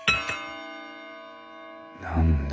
何だ？